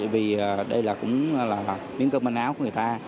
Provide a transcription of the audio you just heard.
vì đây cũng là miếng cơm ánh áo của người ta